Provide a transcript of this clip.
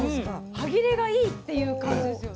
歯切れがいいっていう感じですよね。